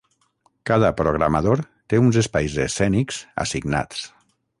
Cada programador té uns espais escènics assignats.